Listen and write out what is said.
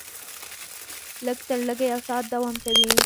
لږ تر لږه یو ساعت دوام کوي.